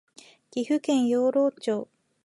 岐阜県養老町